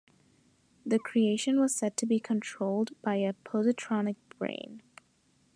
The creation was said to be controlled by a positronic brain.